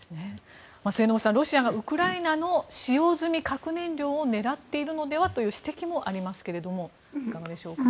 末延さん、ロシアがウクライナの使用済み核燃料を狙っているのではという指摘もありますがいかがでしょうか。